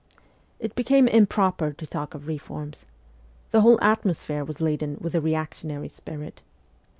It became improper to talk of reforms. The whole atmosphere was laden with a reactionary spirit.